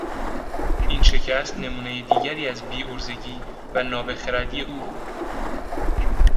این شکست نمونهی دیگری از بیعرضگی و نابخردی او بود.